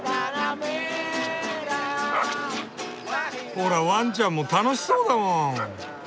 ほらワンちゃんも楽しそうだもん。